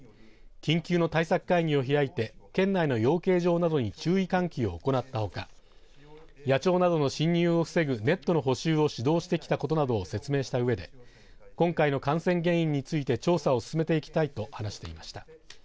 緊急の対策会議を開いて県内の養鶏場などに注意喚起を行ったほか野鳥などの侵入を防ぐネットの補修を指導してきたことなどを説明したうえで今回の感染原因について調査を進めていきたいと話していました。